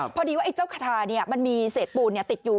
พอดีว่าไอ้เจ้าคาทามันมีเศษปูนติดอยู่